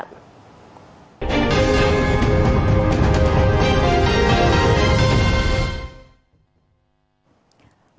chuy nã tội phạm